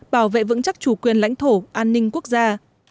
bảo vệ vững chắc chủ quyền lãnh thổ an ninh quốc gia